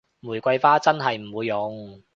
玫瑰花真係唔會用